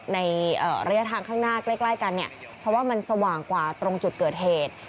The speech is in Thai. ในระยะทางข้างหน้าใกล้กันเนี่ยเพราะว่ามันสว่างกว่าตรงจุดเกิดเหตุ